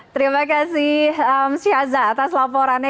terima kasih syaza atas laporannya